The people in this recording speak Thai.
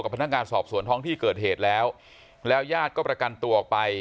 พนักงานสอบสวนท้องที่เกิดเหตุแล้วแล้วญาติก็ประกันตัวออกไป